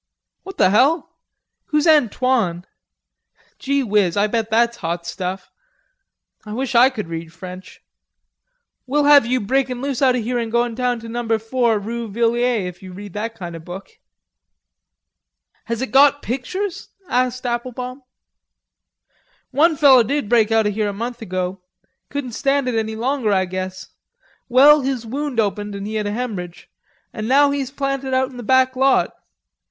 "What the hell? Who's Antoine? Gee whiz, I bet that's hot stuff. I wish I could read French. We'll have you breakin' loose out o' here an' going down to number four, roo Villiay, if you read that kind o' book." "Has it got pictures?" asked Applebaum. "One feller did break out o' here a month ago,... Couldn't stand it any longer, I guess. Well, his wound opened an' he had a hemorrhage, an' now he's planted out in the back lot....